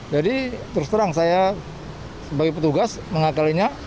jadi terus terang saya sebagai petugas mengakalinya